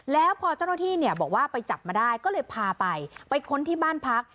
แล้วพอเจ้าหน้าที่เนี่ยบอกว่าไปจับมาได้ก็เลยพาไปไปค้นที่บ้านพัก